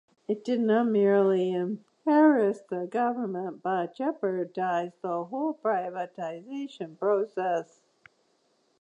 It did not merely embarrass the government but jeopardised the whole privatisation process.